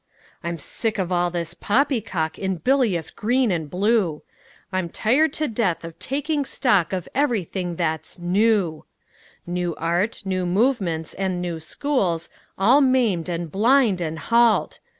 I'm sick of all this poppycock In bilious green and blue; I'm tired to death of taking stock Of everything that's "New." New Art, New Movements, and New Schools, All maimed and blind and halt!